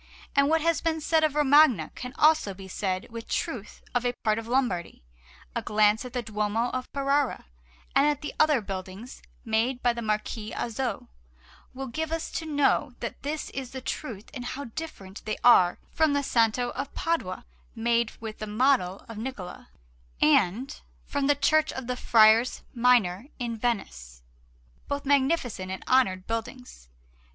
And what has been said of Romagna can be also said with truth of a part of Lombardy. A glance at the Duomo of Ferrara, and at the other buildings made by the Marquis Azzo, will give us to know that this is the truth and how different they are from the Santo of Padua, made with the model of Niccola, and from the Church of the Friars Minor in Venice, both magnificent and honoured buildings.